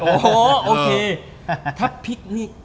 โอ้โหโอเคถ้าพลิกนี่